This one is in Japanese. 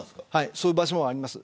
そういう場所もあります。